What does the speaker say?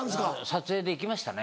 撮影で行きましたね。